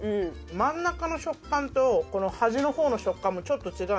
真ん中の食感と端のほうの食感もちょっと違う。